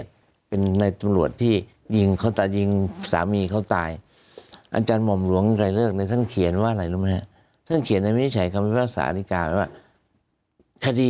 ส่วนอีก๕คนในตรงในตรีอะไรที่ว่าอีก๕คน